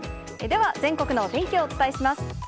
では、全国のお天気をお伝えします。